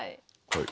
はい。